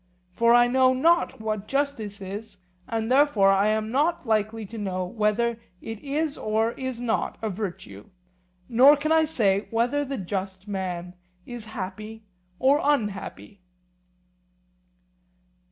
For I know not what justice is, and therefore I am not likely to know whether it is or is not a virtue, nor can I say whether the just man is happy or unhappy.